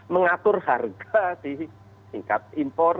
mengatur harga di tingkat impor